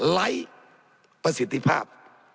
ไร้ประสิทธิภาพ